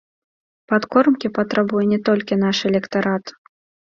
Падкормкі патрабуе не толькі наш электарат.